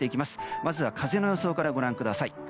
まずは風の予想からご覧ください。